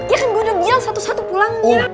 ya kan gue udah bilang satu satu pulangnya